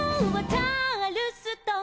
「チャールストン」